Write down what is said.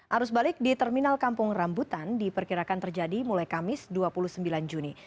arus balik di terminal kampung rambutan diperkirakan terjadi mulai kamis dua puluh sembilan juni